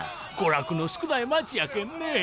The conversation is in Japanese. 娯楽の少ない町やけんねえ。